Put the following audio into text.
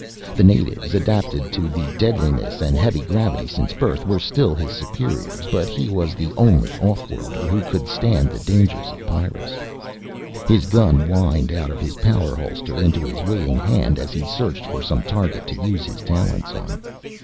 The natives, adapted to the deadliness and heavy gravity since birth, were still his superiors, but he was the only off worlder who could stand the dangers of Pyrrus. His gun whined out of his power holster into his waiting hand as he searched for some target to use his talents on.